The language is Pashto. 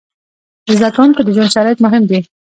د زده کوونکو د ژوند شرایط مهم دي.